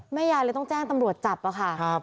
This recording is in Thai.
ยายเลยต้องแจ้งตำรวจจับอะค่ะ